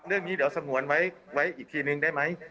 เรื่องนี้เดี๋ยวสงวนไว้อีกทีนึงได้ไหม